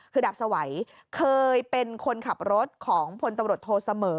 คือดาบสวัยเคยเป็นคนขับรถของพลตำรวจโทเสมอ